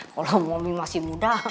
kalau mami masih muda